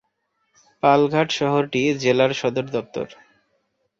পালঘাট শহরটি জেলার সদর দপ্তর।